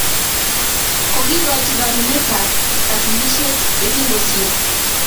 Kogikochi konunet ap kawtlisyet ye kingosir.